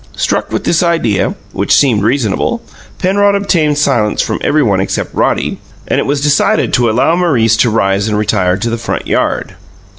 Struck with this idea, which seemed reasonable; Penrod obtained silence from every one except Roddy, and it was decided to allow Maurice to rise and retire to the front yard.